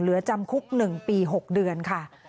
เหลือจำคุก๑ปี๖เดือนค่ะ